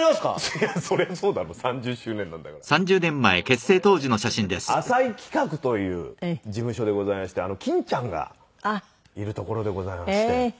いやそりゃそうだろ３０周年なんだから。我々浅井企画という事務所でございまして欽ちゃんがいるところでございまして。